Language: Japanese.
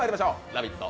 「ラヴィット！」